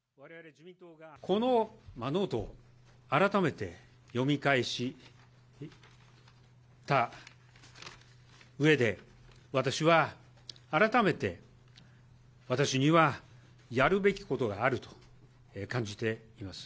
このノートを改めて読み返したうえで、私は改めて、私にはやるべきことがあると感じています。